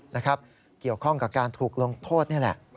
นะครับเกี่ยวข้องกับการถูกลงโทษนี่แหละ